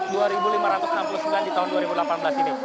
di tahun dua ribu delapan belas ini